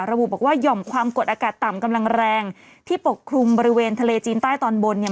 ระบุบอกว่าหย่อมความกดอากาศต่ำกำลังแรงที่ปกคลุมบริเวณทะเลจีนใต้ตอนบนเนี่ย